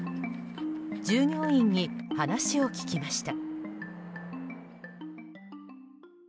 従業員に話を聞きました。